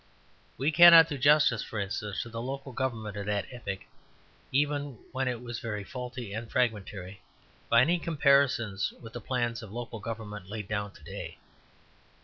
We cannot do justice, for instance, to the local government of that epoch, even where it was very faulty and fragmentary, by any comparisons with the plans of local government laid down to day.